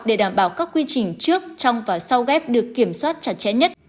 để đảm bảo các quy trình trước trong và sau ghép được kiểm soát chặt chẽ nhất